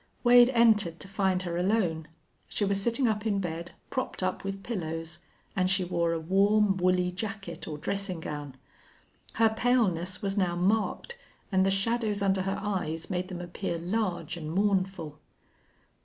Wade entered, to find her alone. She was sitting up in bed, propped up with pillows, and she wore a warm, woolly jacket or dressing gown. Her paleness was now marked, and the shadows under her eyes made them appear large and mournful.